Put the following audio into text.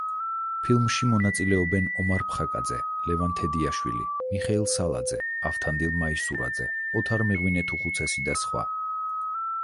ფილმში მონაწილეობენ: ომარ ფხაკაძე, ლევან თედიაშვილი, მიხეილ სალაძე, ავთანდილ მაისურაძე, ოთარ მეღვინეთუხუცესი და სხვა.